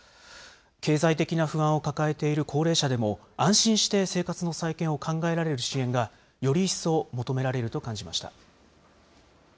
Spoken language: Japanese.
経済的な不安を抱えている高齢者でも安心して生活の再建を考えられる支援が、より一層求められると感じました。